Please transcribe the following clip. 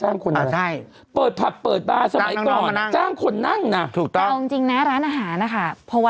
แต่คนไทยเป็นประเภทที่ชอบแบบ